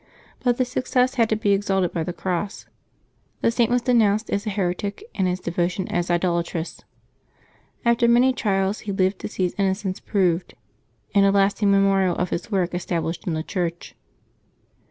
But this success had to be exalted by the cross. The Saint was denounced as a heretic and his de votion as idolatrous. After many trials he lived to see his innocence proved, and a lasting memorial of his work established in a church.